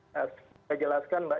saya jelaskan mbak